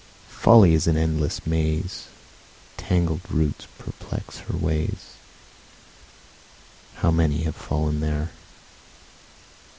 Folly is an endless maze; Tangled roots perplex her ways; How many have fallen there!